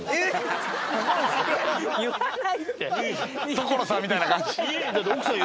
所さんみたいな感じ。